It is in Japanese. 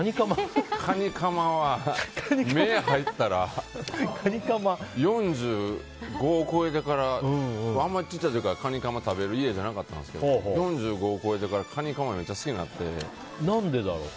カニかまは目入ったら４５を超えてからあんまりちっちゃい時からカニかま食べる家じゃなかったんですけど４５を超えてから何でだろう？